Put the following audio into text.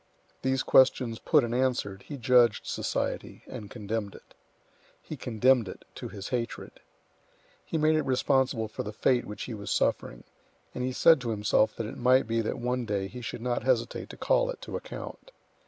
These questions put and answered, he judged society and condemned it. He condemned it to his hatred. He made it responsible for the fate which he was suffering, and he said to himself that it might be that one day he should not hesitate to call it to account.